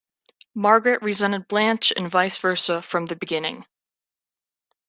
Margaret resented Blanche and vice versa from the beginning.